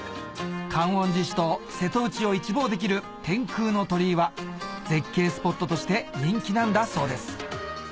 観音寺市と瀬戸内を一望できる天空の鳥居は絶景スポットとして人気なんだそうです